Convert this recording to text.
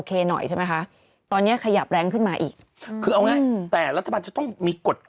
ขยับรังขึ้นมาอีกคือเอาไงแต่รัฐบาลจะต้องมีกฎ